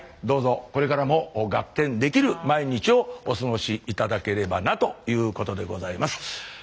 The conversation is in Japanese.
どうぞこれからもガッテンできる毎日をお過ごし頂ければなということでございます。